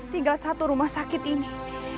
tinggal satu rumah sakit ini